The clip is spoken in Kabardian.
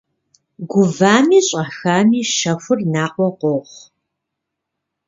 Гувами щӏэхами щэхур наӏуэ къохъу.